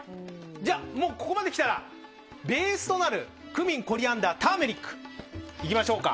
ここまできたらベースとなるクミンコリアンダー、ターメリックいきましょうか。